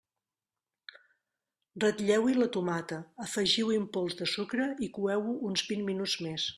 Ratlleu-hi la tomata, afegiu-hi un pols de sucre i coeu-ho uns vint minuts més.